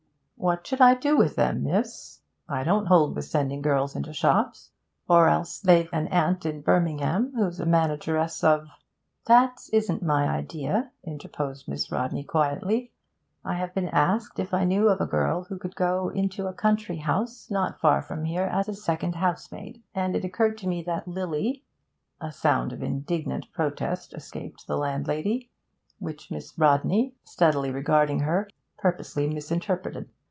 'What should I do with them, miss? I don't hold with sending girls into shops, or else they've an aunt in Birmingham, who's manageress of ' 'That isn't my idea,' interposed Miss Rodney quietly. 'I have been asked if I knew of a girl who would go into a country house not far from here as second housemaid, and it occurred to me that Lily ' A sound of indignant protest escaped the landlady, which Miss Rodney, steadily regarding her, purposely misinterpreted.